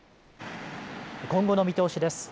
今後の見通しです。